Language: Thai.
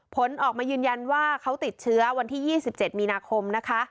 ผลออกมายืนยันว่าเขาติดเชื้อวันที่๒๗มีนาคมนะคะ